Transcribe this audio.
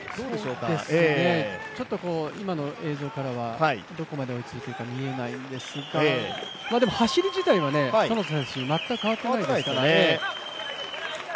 今の映像からはどこまで追いついてるのか見えないんですがでも、走り自体は其田選手、全く変わっていないですからね。